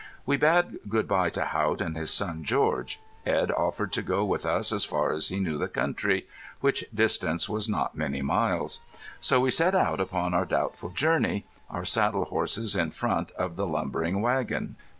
We bade good bye to Haught and his son George. Edd offered to go with us as far as he knew the country, which distance was not many miles. So we set out upon our doubtful journey, our saddle horses in front of the lumbering wagon.